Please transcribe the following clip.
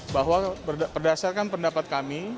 bahwa berdasarkan pendapat kami